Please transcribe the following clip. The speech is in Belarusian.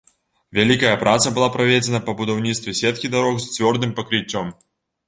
Вялікая праца была праведзена па будаўніцтве сеткі дарог з цвёрдым пакрыццём.